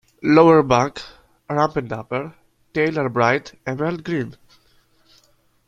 Lower back, rump and upper tail are bright emerald green.